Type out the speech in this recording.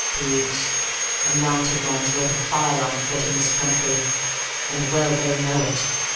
Brutes! A mounted man's worth a file on foot in this country, and well they know it.